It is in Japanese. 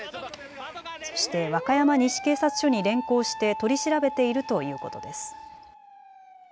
そして和歌山西警察署に連行して取り調べているということです。